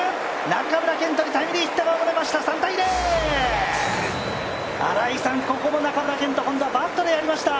中村健人にタイムリーヒットが生まれました、３−０！